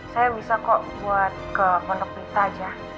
saya bisa kok buat ke pondok berita aja